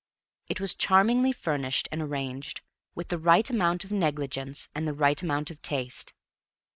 It was charmingly furnished and arranged, with the right amount of negligence and the right amount of taste.